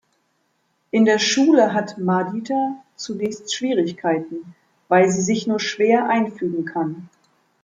In der Schule hat Madita zunächst Schwierigkeiten, weil sie sich nur schwer einfügen kann.